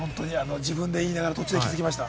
自分で言いながら途中で気づきました。